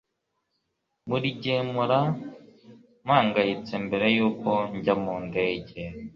Buri gihe mpora mpangayitse mbere yuko njya mu ndege.